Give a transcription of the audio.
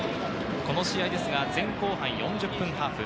この試合、前後半４０分ハーフ。